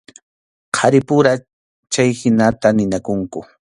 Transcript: Qharipura chayhinata ninakunku.